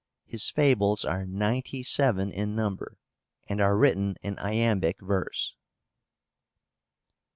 His fables are ninety seven in number, and are written in iambic verse.